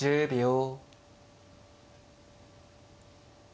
１０秒。